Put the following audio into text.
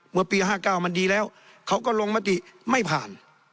เมื่อปี๕๙มันดีแล้วเขาก็ลงมติไม่ผ่าน